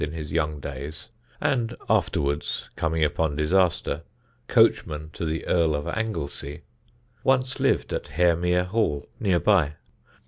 in his young days (and afterwards, coming upon disaster, coachman to the Earl of Anglesey), once lived at Haremere Hall, near by.